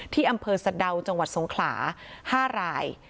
ที่อำเภอสะดาวจังหวัดสงขลา๕ราย